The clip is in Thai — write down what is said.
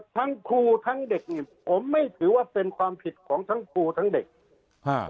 ทั้งครูทั้งเด็กผมไม่ถือว่าเป็นความผิดของทั้งครูทั้งเด็ก